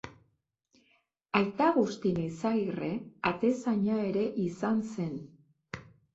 Aita Agustin Eizagirre atezaina ere izan zen.